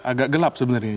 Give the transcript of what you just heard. agak gelap sebenarnya